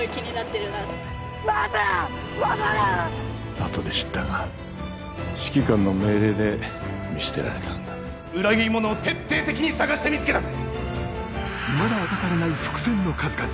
あとで知ったが指揮官の命令で見捨てられたんだ裏切り者を徹底的に探して見つけ出せ